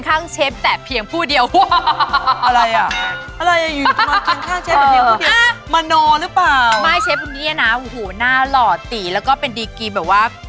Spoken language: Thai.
คือที่เราเห็นเนี่ยเพิ่มเฟ็กแล้ว